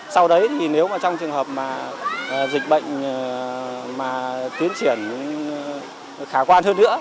sau đấy thì nếu mà trong trường hợp mà dịch bệnh mà tiến triển khả quan hơn nữa